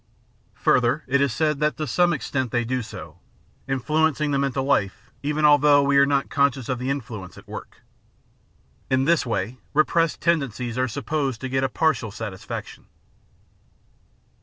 Further, it is said that to some extent they do so, influencing the mental life even although we are not conscious of the influence at work. In this way repressed tendencies are sup posed to get a partial satisfaction.